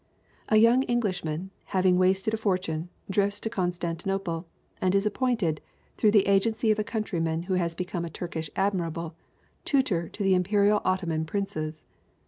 A young Englishman, having wasted a fortune, drifts to Constantinople, and is appointed, through the agency of a countryman who has become a Turkish admiral, tutor to the imperial Ottoman princes.